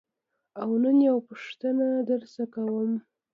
او نن یوه پوښتنه درنه کوم.